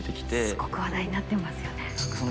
すごく話題になってますよね。